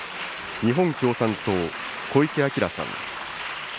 日本共産党、小池晃さん。